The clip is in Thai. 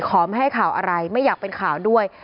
ไม่ให้ข่าวอะไรไม่อยากเป็นข่าวด้วย